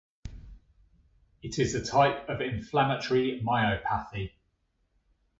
It is a type of inflammatory myopathy.